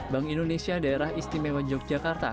bank indonesia daerah istimewa yogyakarta